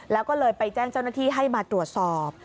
แล้วก็เลยไปแจ้งเจ้าหน้าที่ให้มาตรวจสอบ